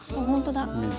ほんとだ。